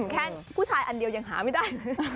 แค่ผู้ชายอันเดียวยังหาไม่ได้เลย